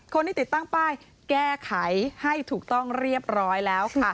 คนที่ติดตั้งป้ายแก้ไขให้ถูกต้องเรียบร้อยแล้วค่ะ